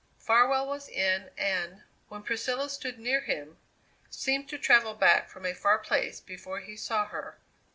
Farwell was in and, when Priscilla stood near him, seemed to travel back from a far place before he saw her.